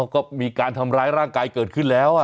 ก็มีการทำร้ายร่างกายเกิดขึ้นแล้ว